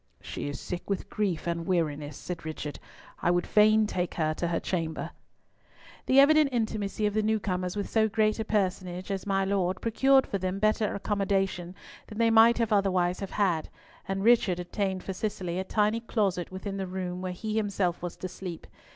"She is sick with grief and weariness," said Richard. "I would fain take her to her chamber." The evident intimacy of the new comers with so great a personage as my Lord procured for them better accommodation than they might otherwise have had, and Richard obtained for Cicely a tiny closet within the room where he was himself to sleep.